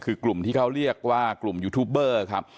คือกลุ่มที่เขาเรียกว่ากลุ่มยูทูปเบอร์ครับ